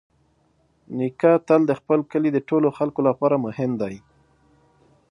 نیکه تل د خپل کلي د ټولو خلکو لپاره مهم دی.